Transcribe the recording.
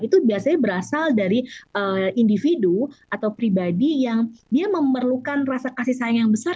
itu biasanya berasal dari individu atau pribadi yang dia memerlukan rasa kasih sayang yang besar